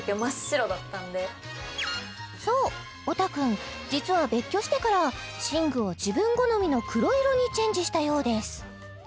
そうおた君実は別居してから寝具を自分好みの黒色にチェンジしたようです